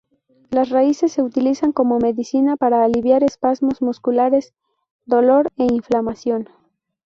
Las raíces se utilizan como medicina para aliviar espasmos musculares, dolor e inflamación.